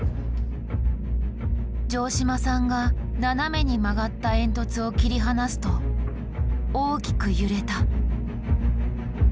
城島さんが斜めに曲がった煙突を切り離すと大きく揺れた。